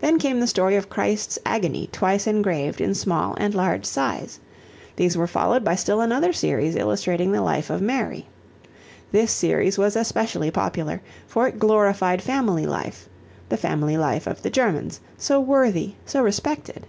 Then came the story of Christ's agony twice engraved in small and large size. These were followed by still another series illustrating the life of Mary. This series was especially popular, for it glorified family life the family life of the Germans, so worthy, so respected.